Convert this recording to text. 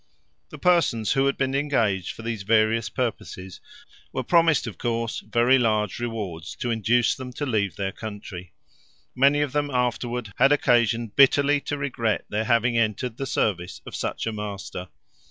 The persons who had been engaged for these various purposes were promised, of course, very large rewards to induce them to leave their country. Many of them afterward had occasion bitterly to regret their having entered the service of such a master.